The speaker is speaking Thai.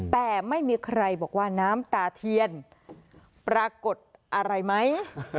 แต่ไม่มีใครบอกว่าน้ำตาเทียนปรากฏอะไรไหม